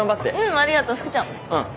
ありがとう福ちゃんもね。